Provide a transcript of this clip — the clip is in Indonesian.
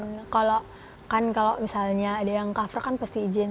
karena kalau kan kalau misalnya ada yang cover kan pasti izin